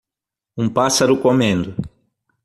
Um pássaro comendo.